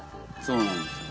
そうなんですよね。